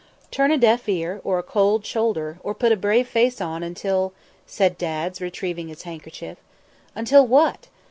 "Turn a deaf ear, or a cold shoulder, or put a brave face on, until " said Dads, retrieving his handkerchief. "Until what?"